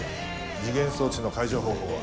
時限装置の解除方法は？